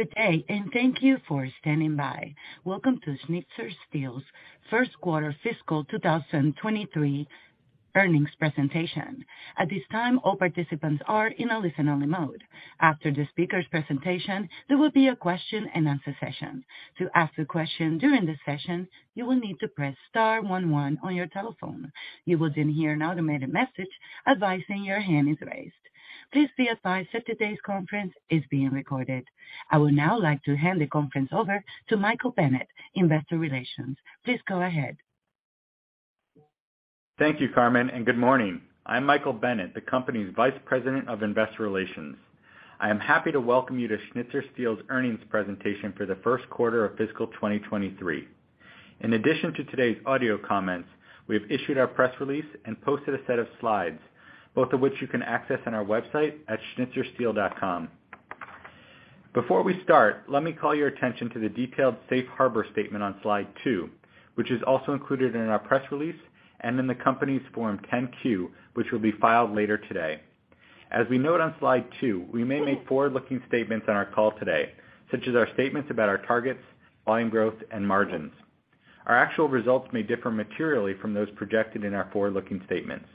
Good day. Thank you for standing by. Welcome to Schnitzer Steel's first quarter fiscal 2023 earnings presentation. At this time, all participants are in a listen-only mode. After the speaker's presentation, there will be a question-and-answer session. To ask a question during this session, you will need to press star one one on your telephone. You will hear an automated message advising your hand is raised. Please be advised that today's conference is being recorded. I would now like to hand the conference over to Michael Bennett, Investor Relations. Please go ahead. Thank you, Carmen, and good morning. I'm Michael Bennett, the company's Vice President of Investor Relations. I am happy to welcome you to Schnitzer Steel's earnings presentation for the first quarter of fiscal 2023. In addition to today's audio comments, we have issued our press release and posted a set of slides, both of which you can access on our website at schnitzersteel.com. Before we start, let me call your attention to the detailed safe harbor statement on slide 2, which is also included in our press release and in the company's Form 10-Q, which will be filed later today. As we note on slide 2, we may make forward-looking statements on our call today, such as our statements about our targets, volume growth, and margins. Our actual results may differ materially from those projected in our forward-looking statements.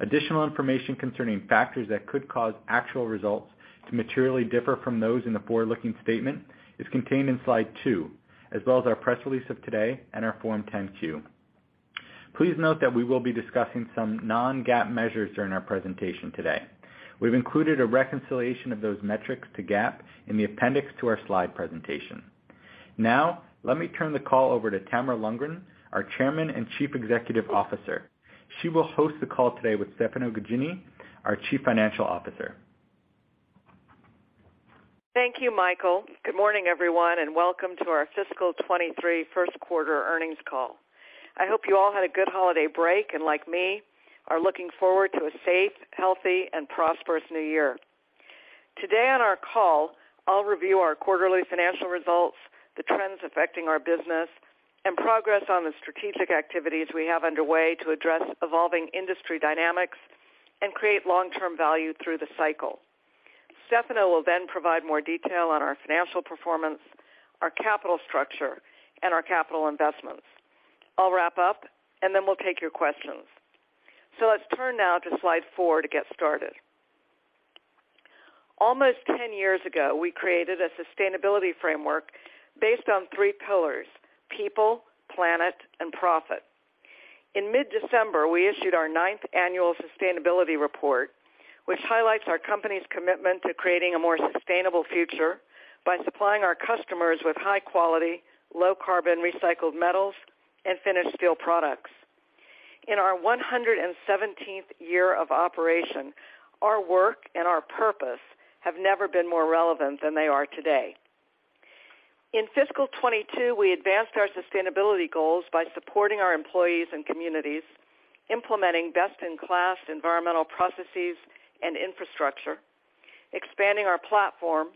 Additional information concerning factors that could cause actual results to materially differ from those in the forward-looking statement is contained in slide 2, as well as our press release of today and our Form 10-Q. Please note that we will be discussing some non-GAAP measures during our presentation today. We've included a reconciliation of those metrics to GAAP in the appendix to our slide presentation. Let me turn the call over to Tamara Lundgren, our Chairman and Chief Executive Officer. She will host the call today with Stefano Gaggini, our Chief Financial Officer. Thank you, Michael. Good morning, everyone, and welcome to our fiscal 2023 1st quarter earnings call. I hope you all had a good holiday break, and like me, are looking forward to a safe, healthy, and prosperous new year. Today on our call, I'll review our quarterly financial results, the trends affecting our business, and progress on the strategic activities we have underway to address evolving industry dynamics and create long-term value through the cycle. Stefano will then provide more detail on our financial performance, our capital structure, and our capital investments. I'll wrap up, and then we'll take your questions. Let's turn now to slide 4 to get started. Almost 10 years ago, we created a sustainability framework based on three pillars: people, planet, and profit. In mid-December, we issued our 9th annual sustainability report, which highlights our company's commitment to creating a more sustainable future by supplying our customers with high-quality, low-carbon recycled metals and finished steel products. In our 117th year of operation, our work and our purpose have never been more relevant than they are today. In fiscal 2022, we advanced our sustainability goals by supporting our employees and communities, implementing best-in-class environmental processes and infrastructure, expanding our platform,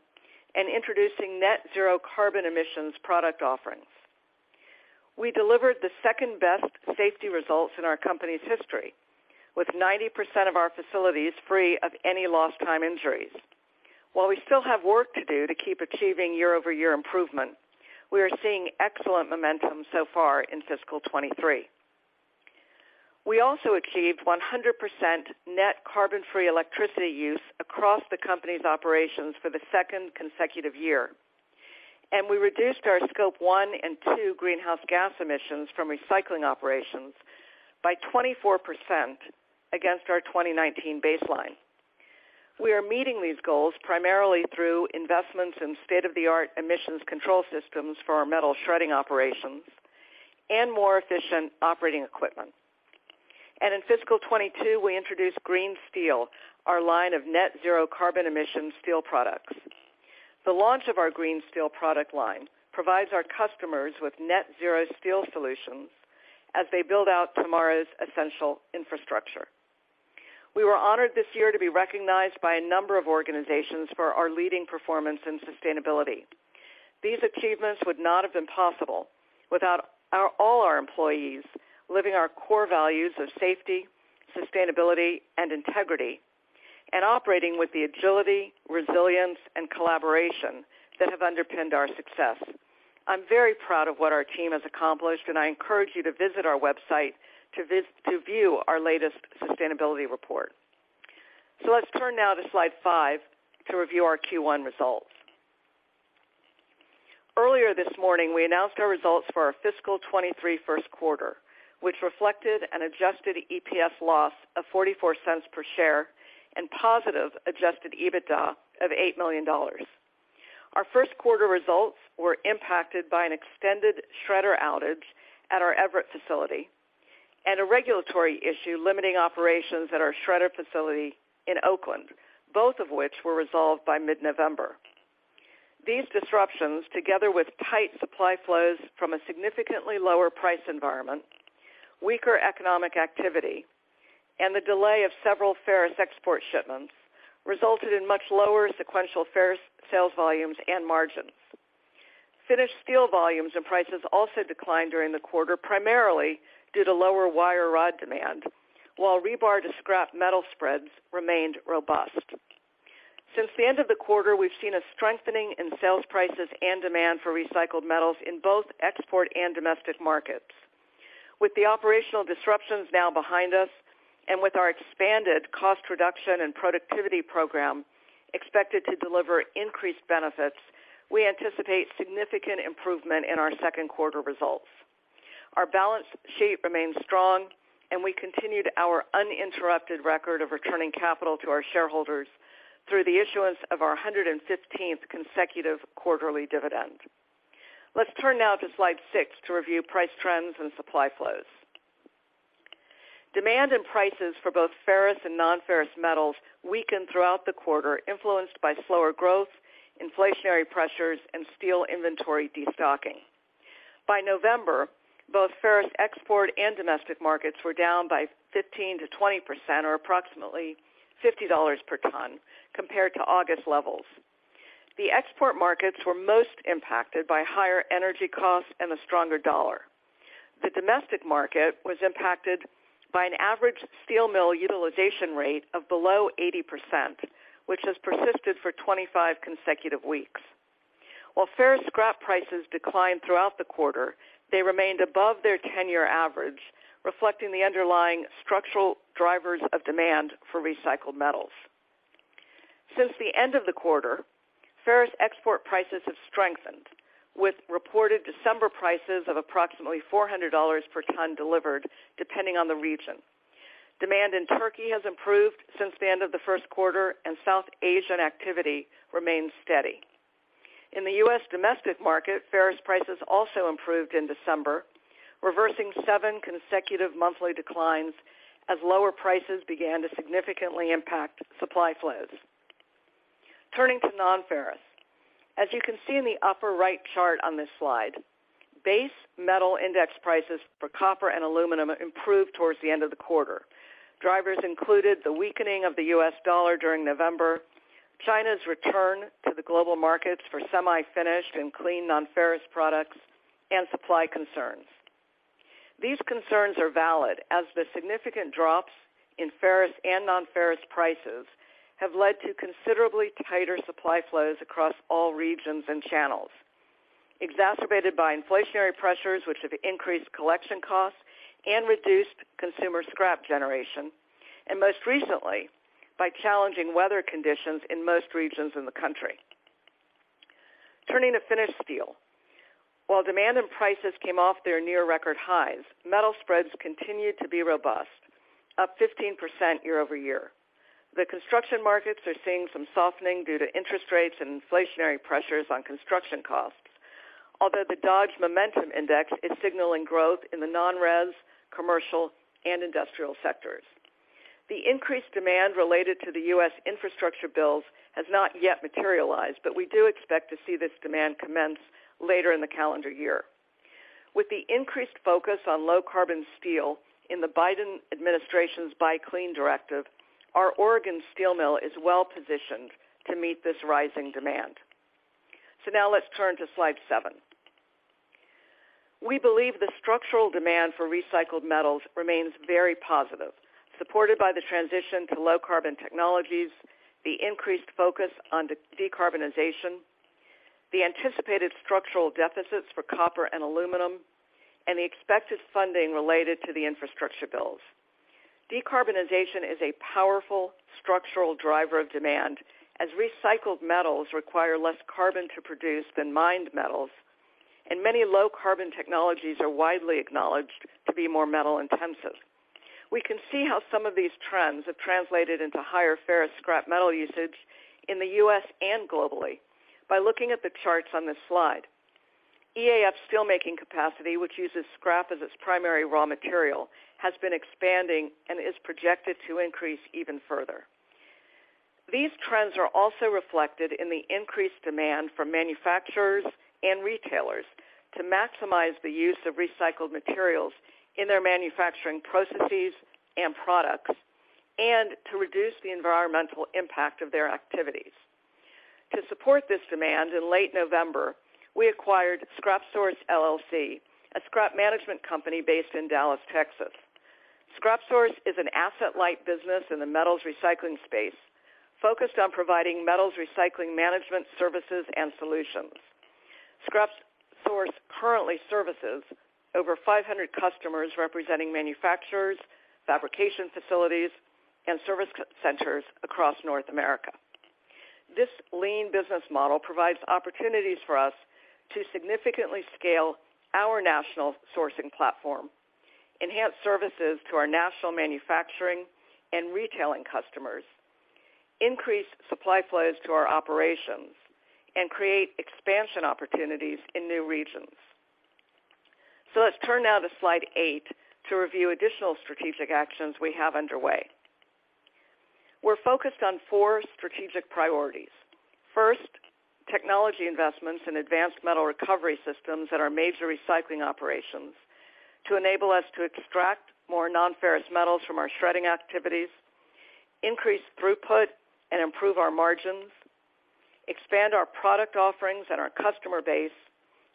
and introducing net zero carbon emissions product offerings. We delivered the second-best safety results in our company's history, with 90% of our facilities free of any lost time injuries. While we still have work to do to keep achieving year-over-year improvement, we are seeing excellent momentum so far in fiscal 2023. We also achieved 100% net carbon-free electricity use across the company's operations for the second consecutive year, and we reduced our Scope 1 and 2 greenhouse gas emissions from recycling operations by 24% against our 2019 baseline. We are meeting these goals primarily through investments in state-of-the-art emissions control systems for our metal shredding operations and more efficient operating equipment. In fiscal 22, we introduced GRN Steel, our line of net zero carbon emission steel products. The launch of our GRN Steel product line provides our customers with net zero steel solutions as they build out tomorrow's essential infrastructure. We were honored this year to be recognized by a number of organizations for our leading performance in sustainability. These achievements would not have been possible without all our employees living our core values of safety, sustainability, and integrity and operating with the agility, resilience, and collaboration that have underpinned our success. I'm very proud of what our team has accomplished. I encourage you to visit our website to view our latest sustainability report. Let's turn now to slide 5 to review our Q1 results. Earlier this morning, we announced our results for our fiscal 23 first quarter, which reflected an adjusted EPS loss of $0.44 per share and positive adjusted EBITDA of $8 million. Our first quarter results were impacted by an extended shredder outage at our Everett facility and a regulatory issue limiting operations at our shredder facility in Oakland, both of which were resolved by mid-November. These disruptions, together with tight supply flows from a significantly lower price environment, weaker economic activity, and the delay of several ferrous export shipments, resulted in much lower sequential ferrous sales volumes and margins. Finished steel volumes and prices also declined during the quarter, primarily due to lower wire rod demand, while rebar to scrap metal spreads remained robust. Since the end of the quarter, we've seen a strengthening in sales prices and demand for recycled metals in both export and domestic markets. With the operational disruptions now behind us, and with our expanded cost reduction and productivity program expected to deliver increased benefits, we anticipate significant improvement in our second quarter results. Our balance sheet remains strong, and we continued our uninterrupted record of returning capital to our shareholders through the issuance of our 115th consecutive quarterly dividend. Let's turn now to slide 6 to review price trends and supply flows. Demand and prices for both ferrous and non-ferrous metals weakened throughout the quarter, influenced by slower growth, inflationary pressures, and steel inventory destocking. By November, both ferrous export and domestic markets were down by 15%-20%, or approximately $50 per ton, compared to August levels. The export markets were most impacted by higher energy costs and a stronger dollar. The domestic market was impacted by an average steel mill utilization rate of below 80%, which has persisted for 25 consecutive weeks. While ferrous scrap prices declined throughout the quarter, they remained above their 10-year average, reflecting the underlying structural drivers of demand for recycled metals. Since the end of the quarter, ferrous export prices have strengthened, with reported December prices of approximately $400 per ton delivered, depending on the region. Demand in Turkey has improved since the end of the first quarter. South Asian activity remains steady. In the U.S. domestic market, ferrous prices also improved in December, reversing seven consecutive monthly declines as lower prices began to significantly impact supply flows. Turning to non-ferrous. As you can see in the upper right chart on this slide, base metal index prices for copper and aluminum improved towards the end of the quarter. Drivers included the weakening of the U.S. dollar during November, China's return to the global markets for semi-finished and clean non-ferrous products, and supply concerns. These concerns are valid, as the significant drops in ferrous and non-ferrous prices have led to considerably tighter supply flows across all regions and channels, exacerbated by inflationary pressures, which have increased collection costs and reduced consumer scrap generation, and most recently, by challenging weather conditions in most regions in the country. Turning to finished steel. While demand and prices came off their near record highs, metal spreads continued to be robust, up 15% year-over-year. The construction markets are seeing some softening due to interest rates and inflationary pressures on construction costs. Although the Dodge Momentum Index is signaling growth in the non-res, commercial, and industrial sectors. The increased demand related to the U.S. infrastructure bills has not yet materialized, but we do expect to see this demand commence later in the calendar year. With the increased focus on low carbon steel in the Biden administration's Buy Clean directive, our Oregon steel mill is well-positioned to meet this rising demand. Now let's turn to slide 7. We believe the structural demand for recycled metals remains very positive, supported by the transition to low carbon technologies, the increased focus on decarbonization, the anticipated structural deficits for copper and aluminum, and the expected funding related to the infrastructure bills. Decarbonization is a powerful structural driver of demand, as recycled metals require less carbon to produce than mined metals, and many low carbon technologies are widely acknowledged to be more metal intensive. We can see how some of these trends have translated into higher ferrous scrap metal usage in the U.S. and globally by looking at the charts on this slide. EAF steelmaking capacity, which uses scrap as its primary raw material, has been expanding and is projected to increase even further. These trends are also reflected in the increased demand from manufacturers and retailers to maximize the use of recycled materials in their manufacturing processes and products, and to reduce the environmental impact of their activities. To support this demand, in late November, we acquired ScrapSource LLC, a scrap management company based in Dallas, Texas. ScrapSource is an asset-light business in the metals recycling space, focused on providing metals recycling management services and solutions. ScrapSource currently services over 500 customers representing manufacturers, fabrication facilities, and service centers across North America. This lean business model provides opportunities for us to significantly scale our national sourcing platform, enhance services to our national manufacturing and retailing customers, increase supply flows to our operations, and create expansion opportunities in new regions. Let's turn now to slide 8 to review additional strategic actions we have underway. We're focused on four strategic priorities. First, technology investments in advanced metal recovery systems at our major recycling operations to enable us to extract more non-ferrous metals from our shredding activities. Increase throughput and improve our margins, expand our product offerings and our customer base,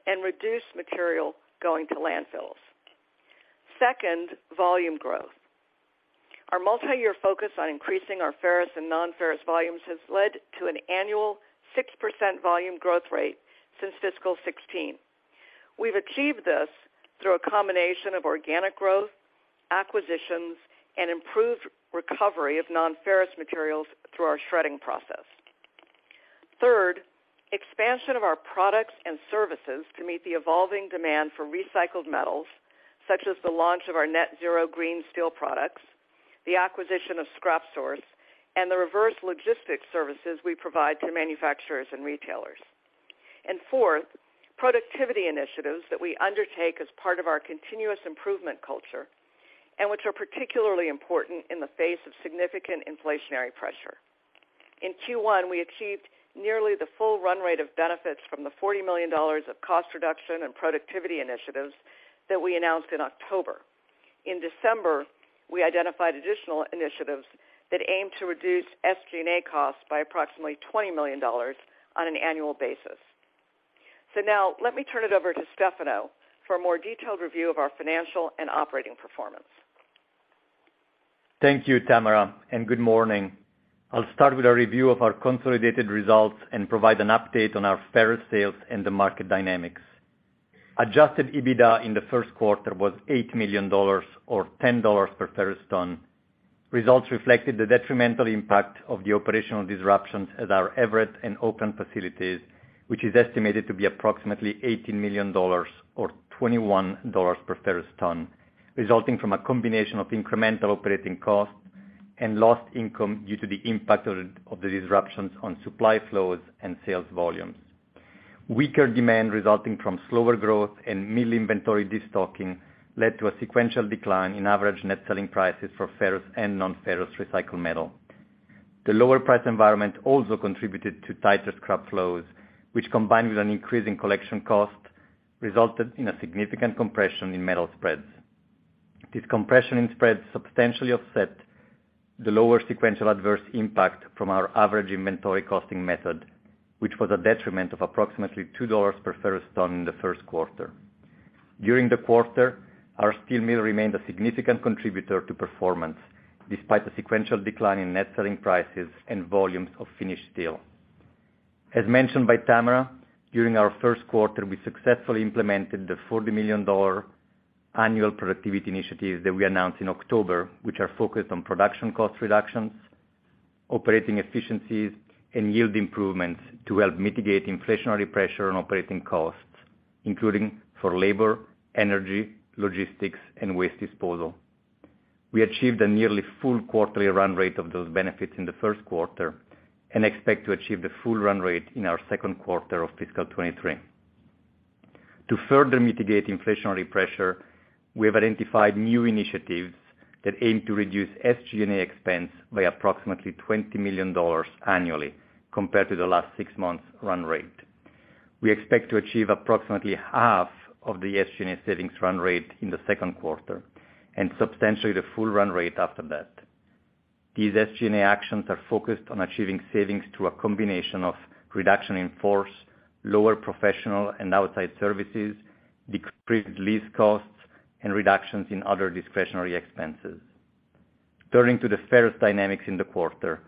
and reduce material going to landfills. Second, volume growth. Our multi-year focus on increasing our ferrous and non-ferrous volumes has led to an annual 6% volume growth rate since fiscal 2016. We've achieved this through a combination of organic growth, acquisitions, and improved recovery of non-ferrous materials through our shredding process. Third, expansion of our products and services to meet the evolving demand for recycled metals, such as the launch of our net zero GRN Steel products, the acquisition of ScrapSource, and the reverse logistics services we provide to manufacturers and retailers. Fourth, productivity initiatives that we undertake as part of our continuous improvement culture, and which are particularly important in the face of significant inflationary pressure. In Q1, we achieved nearly the full run rate of benefits from the $40 million of cost reduction and productivity initiatives that we announced in October. In December, we identified additional initiatives that aim to reduce SG&A costs by approximately $20 million on an annual basis. Now let me turn it over to Stefano for a more detailed review of our financial and operating performance. Thank you, Tamara, and good morning. I'll start with a review of our consolidated results and provide an update on our ferrous sales and the market dynamics. Adjusted EBITDA in the first quarter was $8 million or $10 per ferrous ton. Results reflected the detrimental impact of the operational disruptions at our Everett and Oakland facilities, which is estimated to be approximately $80 million or $21 per ferrous ton, resulting from a combination of incremental operating costs and lost income due to the impact of the disruptions on supply flows and sales volumes. Weaker demand resulting from slower growth and mill inventory destocking led to a sequential decline in average net selling prices for ferrous and non-ferrous recycled metal. The lower price environment also contributed to tighter scrap flows, which combined with an increase in collection costs, resulted in a significant compression in metal spreads. This compression in spreads substantially offset the lower sequential adverse impact from our average inventory costing method, which was a detriment of approximately $2 per ferrous ton in the first quarter. During the quarter, our steel mill remained a significant contributor to performance, despite the sequential decline in net selling prices and volumes of finished steel. As mentioned by Tamara, during our first quarter, we successfully implemented the $40 million annual productivity initiatives that we announced in October, which are focused on production cost reductions, operating efficiencies, and yield improvements to help mitigate inflationary pressure on operating costs, including for labor, energy, logistics, and waste disposal. We achieved a nearly full quarterly run rate of those benefits in the first quarter and expect to achieve the full run rate in our second quarter of fiscal 2023. To further mitigate inflationary pressure, we have identified new initiatives that aim to reduce SG&A expense by approximately $20 million annually compared to the last six months run rate. We expect to achieve approximately half of the SG&A savings run rate in the second quarter and substantially the full run rate after that. These SG&A actions are focused on achieving savings through a combination of reduction in force, lower professional and outside services, decreased lease costs, and reductions in other discretionary expenses. Turning to the ferrous dynamics in the quarter.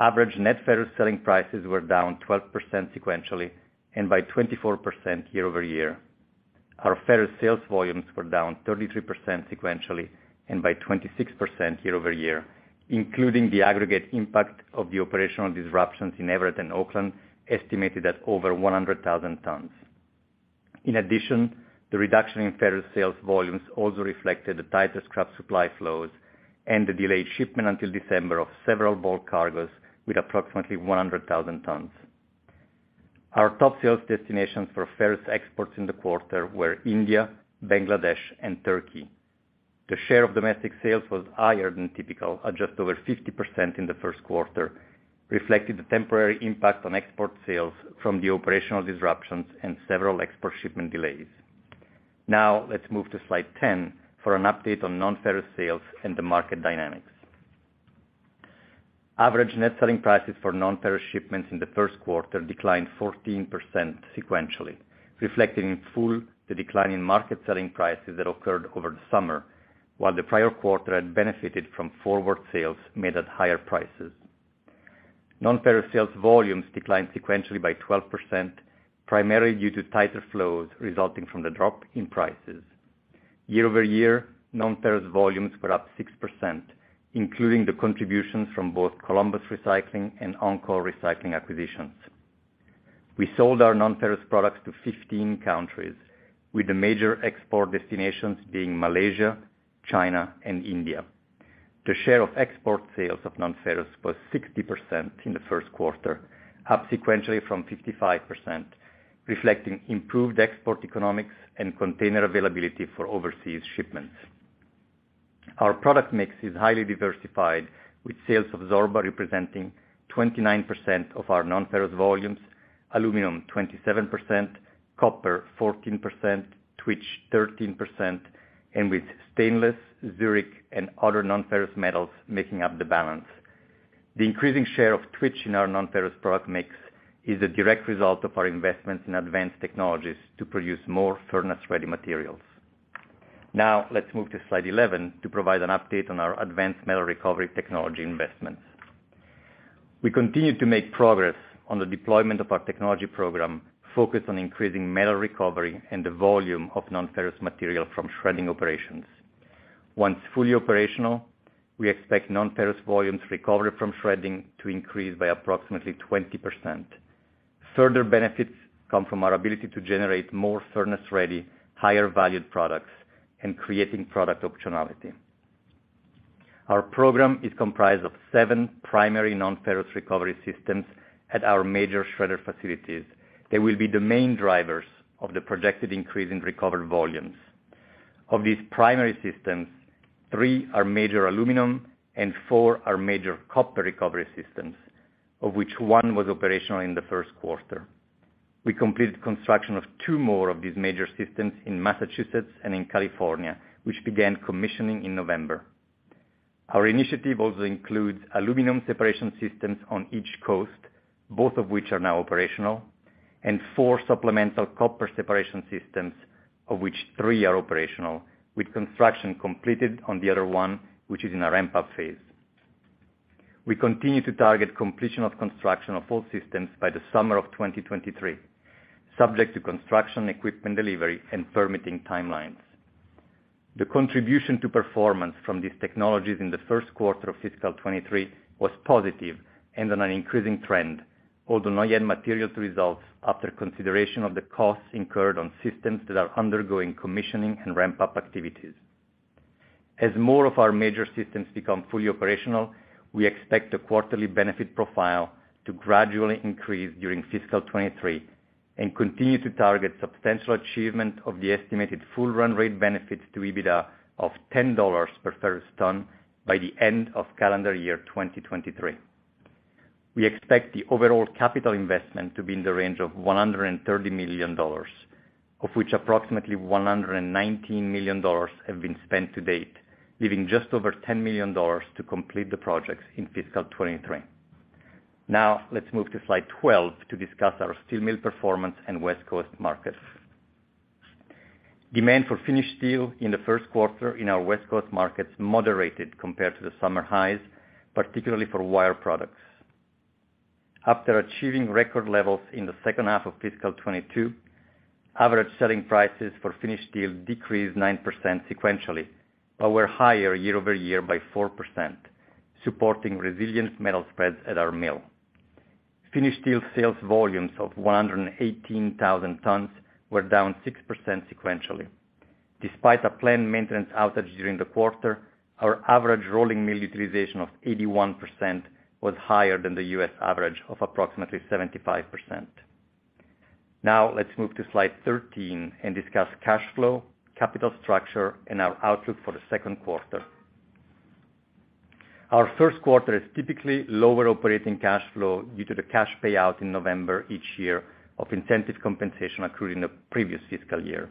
Average net ferrous selling prices were down 12% sequentially and by 24% year-over-year. Our ferrous sales volumes were down 33% sequentially and by 26% year-over-year, including the aggregate impact of the operational disruptions in Everett and Oakland, estimated at over 100,000 tons. The reduction in ferrous sales volumes also reflected the tighter scrap supply flows and the delayed shipment until December of several bulk cargoes with approximately 100,000 tons. Our top sales destinations for ferrous exports in the quarter were India, Bangladesh, and Turkey. The share of domestic sales was higher than typical at just over 50% in the first quarter, reflecting the temporary impact on export sales from the operational disruptions and several export shipment delays. Let's move to Slide 10 for an update on non-ferrous sales and the market dynamics. Average net selling prices for non-ferrous shipments in the first quarter declined 14% sequentially, reflected in full the decline in market selling prices that occurred over the summer, while the prior quarter had benefited from forward sales made at higher prices. Non-ferrous sales volumes declined sequentially by 12%, primarily due to tighter flows resulting from the drop in prices. Year-over-year, non-ferrous volumes were up 6%, including the contributions from both Columbus Recycling and Encore Recycling acquisitions. We sold our non-ferrous products to 15 countries, with the major export destinations being Malaysia, China, and India. The share of export sales of non-ferrous was 60% in the first quarter, up sequentially from 55%, reflecting improved export economics and container availability for overseas shipments. Our product mix is highly diversified, with sales of Zorba representing 29% of our non-ferrous volumes, aluminum 27%, copper 14%, twitch 13%, and with stainless, Zorba, and other non-ferrous metals making up the balance. The increasing share of Twitch in our non-ferrous product mix is a direct result of our investments in advanced technologies to produce more furnace-ready materials. Now let's move to slide 11 to provide an update on our advanced metal recovery technology investments. We continue to make progress on the deployment of our technology program focused on increasing metal recovery and the volume of non-ferrous material from shredding operations. Once fully operational, we expect non-ferrous volumes recovered from shredding to increase by approximately 20%. Further benefits come from our ability to generate more furnace-ready, higher valued products and creating product optionality. Our program is comprised of 7 primary non-ferrous recovery systems at our major shredder facilities. They will be the main drivers of the projected increase in recovered volumes. Of these primary systems, 3 are major aluminum and 4 are major copper recovery systems, of which one was operational in the first quarter. We completed construction of 2 more of these major systems in Massachusetts and in California, which began commissioning in November. Our initiative also includes aluminum separation systems on each coast, both of which are now operational, and 4 supplemental copper separation systems, of which 3 are operational, with construction completed on the other 1, which is in our ramp-up phase. We continue to target completion of construction of all systems by the summer of 2023, subject to construction equipment delivery and permitting timelines. The contribution to performance from these technologies in the first quarter of fiscal 2023 was positive and on an increasing trend, although not yet material to results after consideration of the costs incurred on systems that are undergoing commissioning and ramp-up activities. As more of our major systems become fully operational, we expect the quarterly benefit profile to gradually increase during fiscal 2023 and continue to target substantial achievement of the estimated full run rate benefits to EBITDA of $10 per ferrous ton by the end of calendar year 2023. We expect the overall capital investment to be in the range of $130 million, of which approximately $119 million have been spent to date, leaving just over $10 million to complete the projects in fiscal 2023. Let's move to slide 12 to discuss our steel mill performance and West Coast markets. Demand for finished steel in the first quarter in our West Coast markets moderated compared to the summer highs, particularly for wire products. After achieving record levels in the second half of fiscal 2022, average selling prices for finished steel decreased 9% sequentially, but were higher year-over-year by 4%, supporting resilient metal spreads at our mill. Finished steel sales volumes of 118,000 tons were down 6% sequentially. Despite a planned maintenance outage during the quarter, our average rolling mill utilization of 81% was higher than the U.S. average of approximately 75%. Let's move to slide 13 and discuss cash flow, capital structure, and our outlook for the second quarter. Our first quarter is typically lower operating cash flow due to the cash payout in November each year of incentive compensation accrued in the previous fiscal year.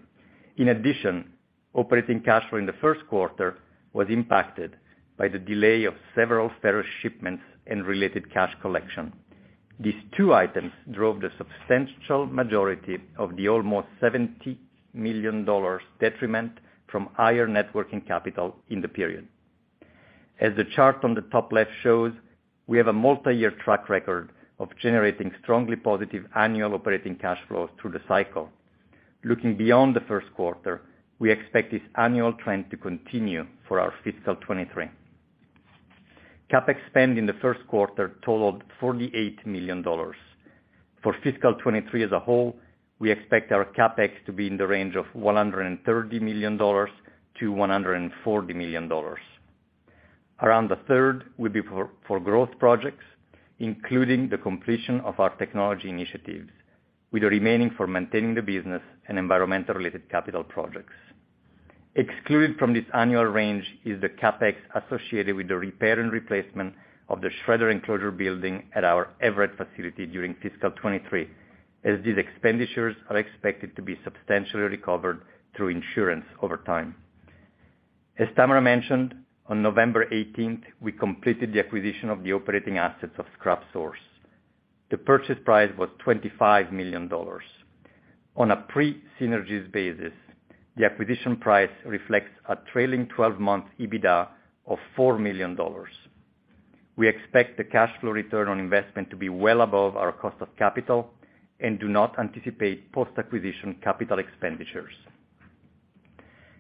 In addition, operating cash flow in the first quarter was impacted by the delay of several ferrous shipments and related cash collection. These two items drove the substantial majority of the almost $70 million detriment from higher net working capital in the period. As the chart on the top left shows, we have a multi-year track record of generating strongly positive annual operating cash flows through the cycle. Looking beyond the first quarter, we expect this annual trend to continue for our fiscal 23. CapEx spend in the first quarter totaled $48 million. For fiscal 23 as a whole, we expect our CapEx to be in the range of $130 million-$140 million. Around a third will be for growth projects, including the completion of our technology initiatives, with the remaining for maintaining the business and environmental-related capital projects. Excluded from this annual range is the CapEx associated with the repair and replacement of the shredder enclosure building at our Everett facility during fiscal 2023, as these expenditures are expected to be substantially recovered through insurance over time. As Tamara mentioned, on November 18th, we completed the acquisition of the operating assets of ScrapSource. The purchase price was $25 million. On a pre-synergies basis, the acquisition price reflects a trailing twelve-month EBITDA of $4 million. We expect the cash flow return on investment to be well above our cost of capital and do not anticipate post-acquisition capital expenditures.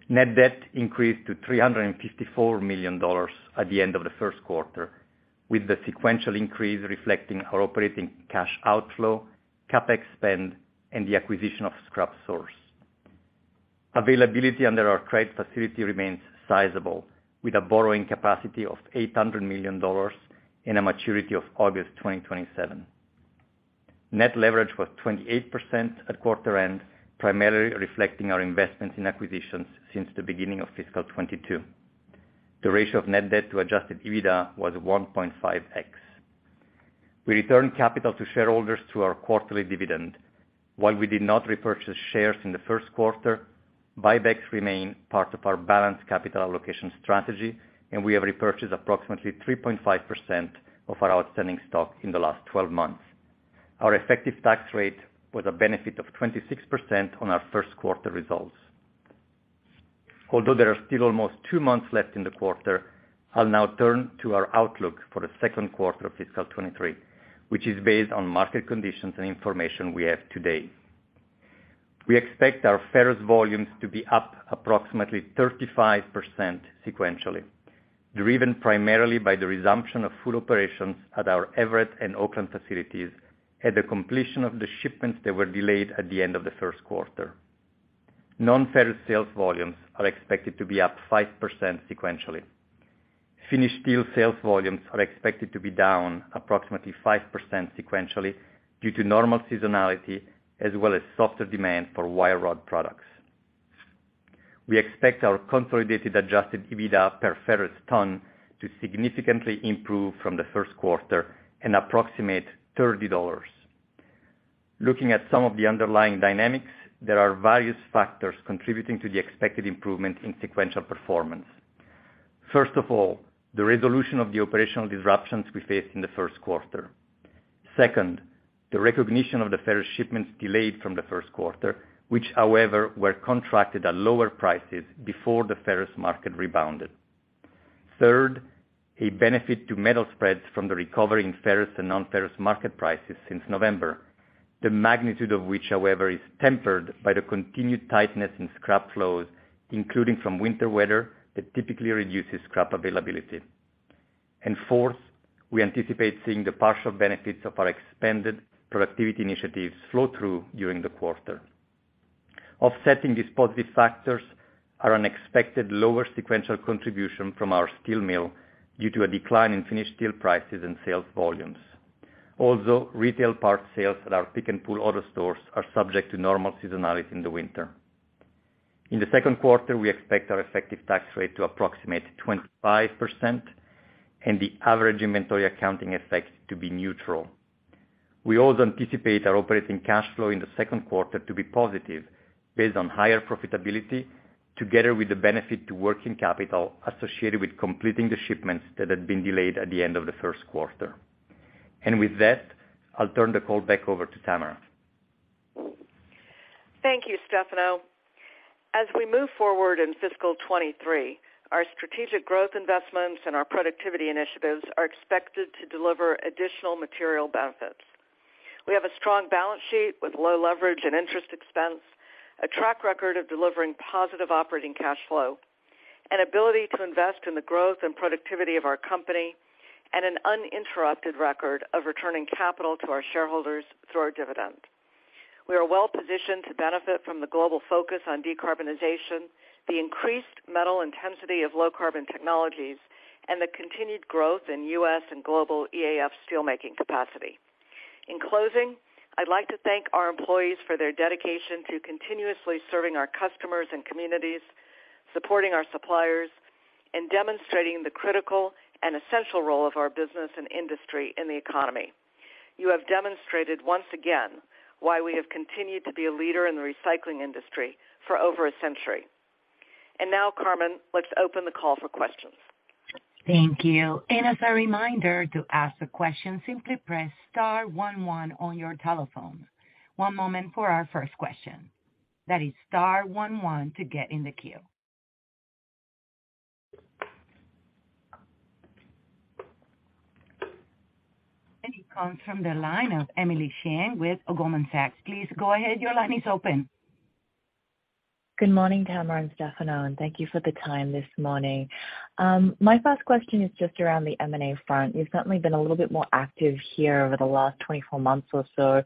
Net debt increased to $354 million at the end of the first quarter, with the sequential increase reflecting our operating cash outflow, CapEx spend, and the acquisition of ScrapSource. Availability under our credit facility remains sizable, with a borrowing capacity of $800 million and a maturity of August 2027. Net leverage was 28% at quarter end, primarily reflecting our investments in acquisitions since the beginning of fiscal 2022. The ratio of net debt to adjusted EBITDA was 1.5x. We return capital to shareholders through our quarterly dividend. While we did not repurchase shares in the first quarter, buybacks remain part of our balanced capital allocation strategy, and we have repurchased approximately 3.5% of our outstanding stock in the last 12 months. Our effective tax rate was a benefit of 26% on our first quarter results. There are still almost two months left in the quarter, I'll now turn to our outlook for the second quarter of fiscal 2023, which is based on market conditions and information we have today. We expect our ferrous volumes to be up approximately 35% sequentially, driven primarily by the resumption of full operations at our Everett and Oakland facilities and the completion of the shipments that were delayed at the end of the first quarter. Non-ferrous sales volumes are expected to be up 5% sequentially. Finished steel sales volumes are expected to be down approximately 5% sequentially due to normal seasonality as well as softer demand for wire rod products. We expect our consolidated adjusted EBITDA per ferrous ton to significantly improve from the first quarter and approximate $30. Looking at some of the underlying dynamics, there are various factors contributing to the expected improvement in sequential performance. First of all, the resolution of the operational disruptions we faced in the first quarter. Second, the recognition of the ferrous shipments delayed from the first quarter, which however, were contracted at lower prices before the ferrous market rebounded. Third, a benefit to metal spreads from the recovery in ferrous and non-ferrous market prices since November, the magnitude of which, however, is tempered by the continued tightness in scrap flows, including from winter weather that typically reduces scrap availability. Fourth, we anticipate seeing the partial benefits of our expanded productivity initiatives flow through during the quarter. Offsetting these positive factors are an expected lower sequential contribution from our steel mill due to a decline in finished steel prices and sales volumes. Also, retail part sales at our Pick-n-Pull auto stores are subject to normal seasonality in the winter. In the second quarter, we expect our effective tax rate to approximate 25% and the average inventory accounting effect to be neutral. We also anticipate our operating cash flow in the second quarter to be positive based on higher profitability, together with the benefit to working capital associated with completing the shipments that had been delayed at the end of the first quarter. With that, I'll turn the call back over to Tamara. Thank you, Stefano. As we move forward in fiscal 2023, our strategic growth investments and our productivity initiatives are expected to deliver additional material benefits. We have a strong balance sheet with low leverage and interest expense, a track record of delivering positive operating cash flow, an ability to invest in the growth and productivity of our company, and an uninterrupted record of returning capital to our shareholders through our dividend. We are well-positioned to benefit from the global focus on decarbonization, the increased metal intensity of low-carbon technologies, and the continued growth in U.S. and global EAF steelmaking capacity. In closing, I'd like to thank our employees for their dedication to continuously serving our customers and communities, supporting our suppliers, and demonstrating the critical and essential role of our business and industry in the economy. You have demonstrated once again why we have continued to be a leader in the recycling industry for over a century. Now, Carmen, let's open the call for questions. Thank you. As a reminder to ask a question, simply press star one one on your telephone. One moment for our first question. That is star one one to get in the queue. It comes from the line of Emily Chieng with Goldman Sachs. Please go ahead. Your line is open. Good morning, Tamara and Stefano, and thank you for the time this morning. My first question is just around the M&A front. You've certainly been a little bit more active here over the last 24 months or so.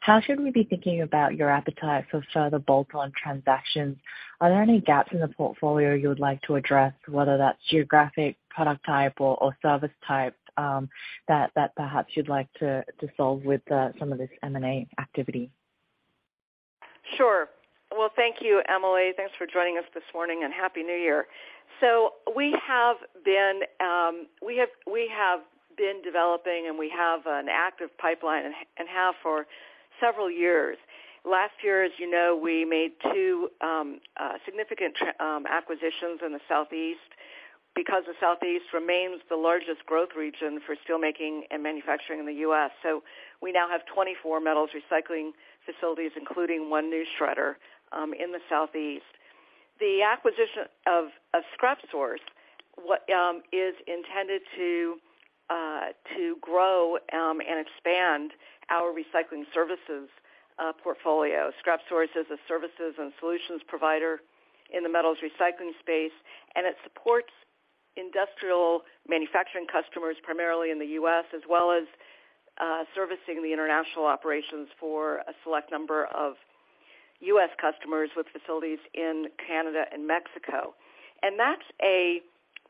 How should we be thinking about your appetite for further bolt-on transactions? Are there any gaps in the portfolio you would like to address, whether that's geographic, product type or service type, that perhaps you'd like to solve with some of this M&A activity? Sure. Well, thank you, Emily. Thanks for joining us this morning. Happy New Year. We have been developing and we have an active pipeline and have for several years. Last year, as you know, we made two significant acquisitions in the Southeast because the Southeast remains the largest growth region for steelmaking and manufacturing in the U.S. We now have 24 metals recycling facilities, including one new shredder in the Southeast. The acquisition of ScrapSource is intended to grow and expand our recycling services portfolio. ScrapSource is a services and solutions provider in the metals recycling space, and it supports industrial manufacturing customers primarily in the U.S., as well as servicing the international operations for a select number of U.S. customers with facilities in Canada and Mexico. That's a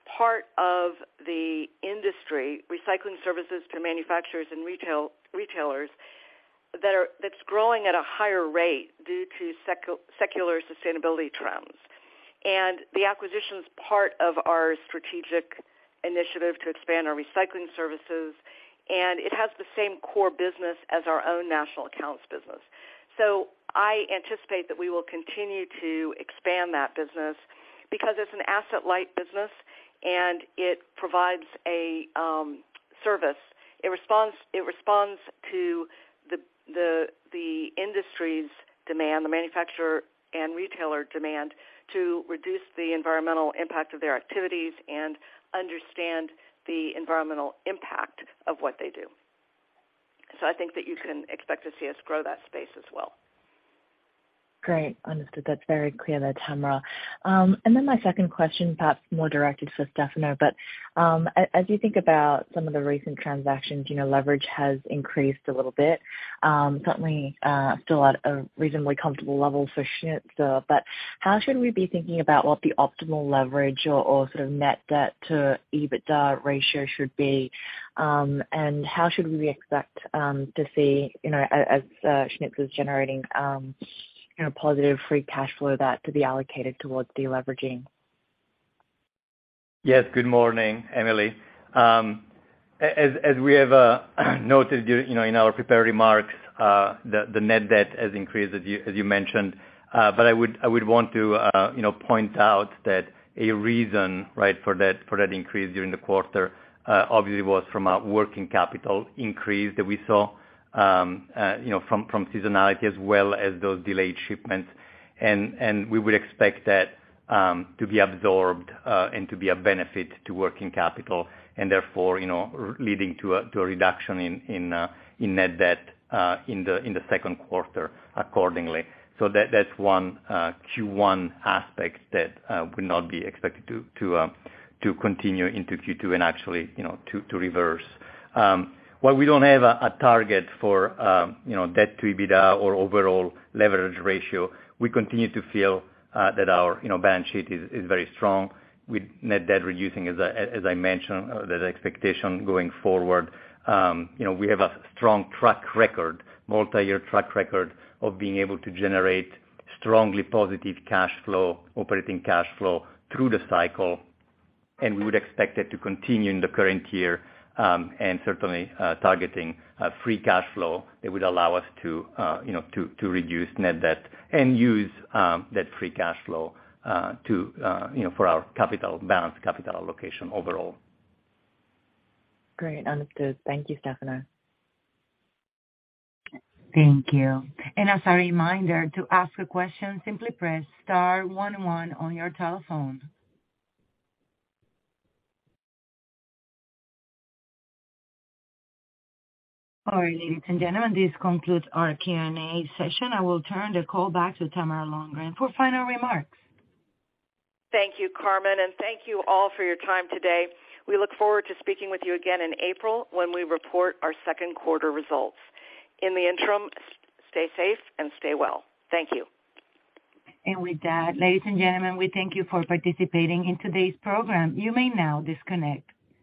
part of the industry, recycling services to manufacturers and retailers that's growing at a higher rate due to secular sustainability trends. The acquisition's part of our strategic initiative to expand our recycling services, and it has the same core business as our own national accounts business. I anticipate that we will continue to expand that business because it's an asset-light business, and it provides a service. It responds to the industry's demand, the manufacturer and retailer demand to reduce the environmental impact of their activities and understand the environmental impact of what they do. I think that you can expect to see us grow that space as well. Great. Understood. That's very clear there, Tamara. My second question, perhaps more directed for Stefano. As you think about some of the recent transactions, you know, leverage has increased a little bit, certainly, still at a reasonably comfortable level for Schnitz. How should we be thinking about what the optimal leverage or sort of net debt to EBITDA ratio should be? And how should we expect to see, you know, as Schnitz is generating, you know, positive free cash flow that to be allocated towards de-leveraging? Yes, good morning, Emily. As we have noted, you know, in our prepared remarks, the net debt has increased, as you mentioned. I would want to, you know, point out that a reason, right, for that increase during the quarter, obviously was from a working capital increase that we saw, you know, from seasonality as well as those delayed shipments. We would expect that to be absorbed and to be a benefit to working capital and therefore, you know, leading to a reduction in net debt in the second quarter accordingly. That's one Q1 aspect that would not be expected to continue into Q2 and actually, you know, to reverse. While we don't have a target for, you know, debt to EBITDA or overall leverage ratio, we continue to feel that our, you know, balance sheet is very strong with net debt reducing, as I mentioned, that expectation going forward. You know, we have a strong track record, multiyear track record of being able to generate strongly positive cash flow, operating cash flow through the cycle, and we would expect it to continue in the current year, and certainly targeting free cash flow that would allow us to, you know, to reduce net debt and use that free cash flow to, you know, for our capital balance, capital allocation overall. Great. Understood. Thank you, Stefano. Thank you. As a reminder, to ask a question, simply press star one one on your telephone. All right, ladies and gentlemen, this concludes our Q&A session. I will turn the call back to Tamara Lundgren for final remarks. Thank you, Carmen, and thank you all for your time today. We look forward to speaking with you again in April when we report our second quarter results. In the interim, stay safe and stay well. Thank you. With that, ladies and gentlemen, we thank you for participating in today's program. You may now disconnect.